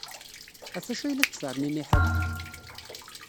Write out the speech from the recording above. Ɣef wacu ay la tettferniniḥed?